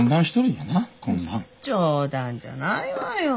冗談じゃないわよ。